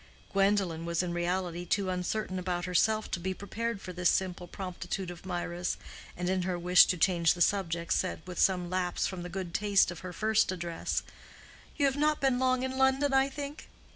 Gwendolen was in reality too uncertain about herself to be prepared for this simple promptitude of Mirah's, and in her wish to change the subject, said, with some lapse from the good taste of her first address, "You have not been long in London, I think?